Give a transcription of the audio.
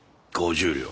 ５０両。